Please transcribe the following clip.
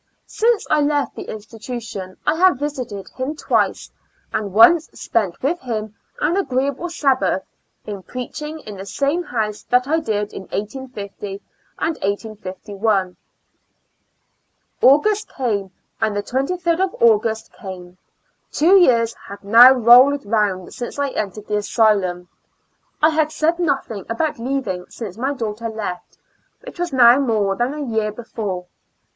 Since I left the institution I have visited him twice, and once spent with him an agreeable Sabbath, in preaching in the same house that I did in 1850 and 1851. IN A L UNA TIC ASYL U3I. ^ 6 9 Auo^ust came, and the 23d of Auo'ust came. Two years had now rolled round since I entered the asylum. I had said nothing about leaving since my daughter left, which was now more than a year before.